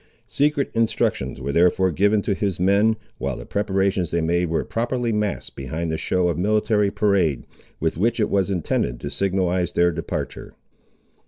Secret instructions were therefore given to his men, while the preparations they made were properly masked behind the show of military parade, with which it was intended to signalise their departure.